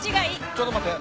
ちょっと待って。